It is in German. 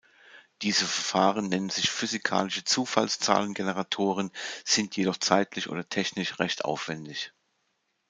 Diese Verfahren nennen sich physikalische Zufallszahlengeneratoren, sind jedoch zeitlich oder technisch recht aufwendig.